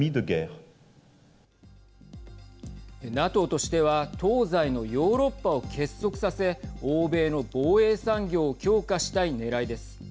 ＮＡＴＯとしては東西のヨーロッパを結束させ欧米の防衛産業を強化したいねらいです。